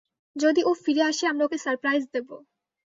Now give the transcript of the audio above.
যদি ও ফিরে আসে, আমরা ওকে সারপ্রাইজ দেবো।